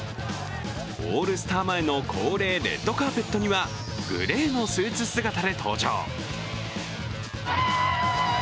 オールスター前の恒例レッドカーペットにはグレーのスーツ姿で登場。